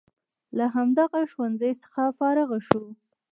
له همدغه ښوونځي څخه فارغ شو.